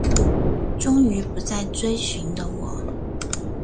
终于不再追寻的我